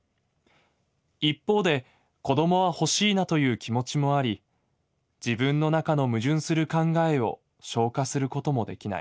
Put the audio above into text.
一方で子供はほしいなという気持ちもあり自分の中の矛盾する考えを消化することもできない。